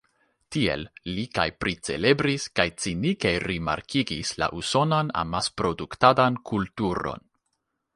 Tiel li kaj pricelebris kaj cinike rimarkigis la usonan amasproduktadan kulturon.